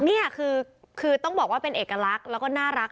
นี่คือต้องบอกว่าเป็นเอกลักษณ์แล้วก็น่ารัก